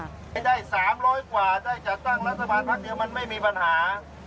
ให้ได้๓๐๐กว่าได้จัดตั้งรัฐบาลพักเดียวมันไม่มีปัญหา